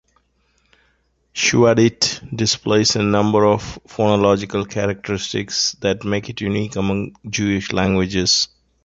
Shuadit displays a number of phonological characteristics that make it unique among Jewish languages.